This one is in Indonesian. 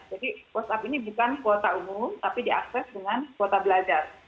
jadi whatsapp ini bukan kuota umum tapi diakses dengan kuota belajar